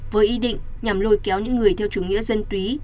với ý định nhằm lôi kéo những người theo chủ nghĩa dân túy